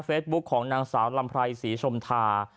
เฟซบุ๊กของนางสาวลำไพรสีชมทา